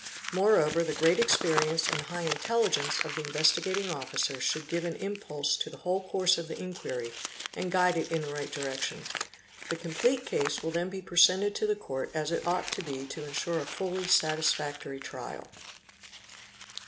Moreover the great ' experience and high intelligence of the Investigating Officer should give f an impulse to the whole course of the inquiry and guide it in the right i direction ; the complete case will then be presented to the court as it j ought to be to ensure a fully satisfactory trial.